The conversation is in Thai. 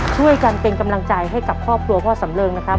ช่วยกันเป็นกำลังใจให้กับครอบครัวพ่อสำเริงนะครับ